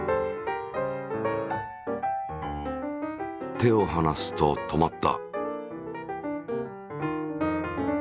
手を離すと止まった。